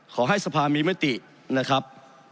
ขอให้สภามีมตินะครับ